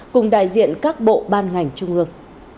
cùng đại diện các bộ ban ngành trung ương